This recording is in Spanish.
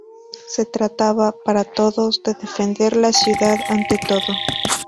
Se trataba, para todos, de defender la ciudad ante todo.